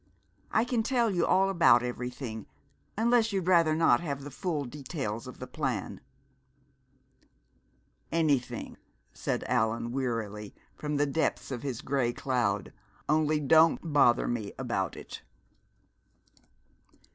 I can tell you all about everything, unless you'd rather not have the full details of the plan " "Anything," said Allan wearily from the depths of his gray cloud; "only don't bother me about it!"